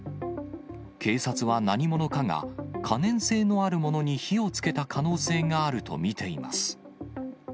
警察は何者かが、可燃性のあるものに火をつけた可能性があると見ています。